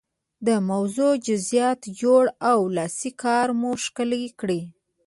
د موضوع جزئیات جوړ او لاسي کار مو ښکلی کړئ.